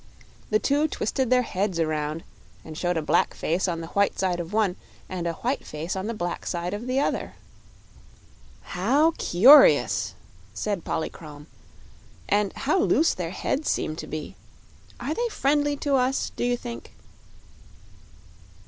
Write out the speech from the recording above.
The two twisted their heads around and showed a black face on the white side of one and a white face on the black side of the other. "How curious," said Polychrome; "and how loose their heads seem to be! Are they friendly to us, do you think?"